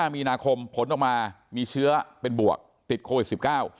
มีนาคมผลออกมามีเชื้อเป็นบวกติดโควิดสิบเก้า